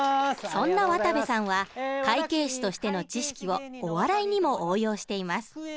そんな渡部さんは会計士としての知識をお笑いにも応用しています。